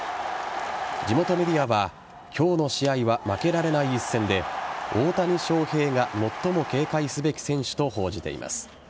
地元メディアは今日の試合は負けられない一戦で大谷翔平が最も警戒すべき選手と報じています。